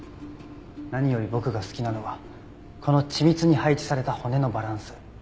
何より僕が好きなのはこの緻密に配置された骨のバランス。